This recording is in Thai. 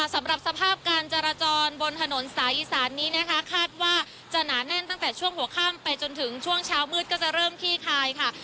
สำหรับสภาพการจราจรบนถนนสายอีสานนี้นะคะคาดว่าจะหนาแน่นตั้งแต่ช่วงหัวข้ามไปจนถึงช่วงเช้ามืดก็จะเริ่มขี้คายค่ะ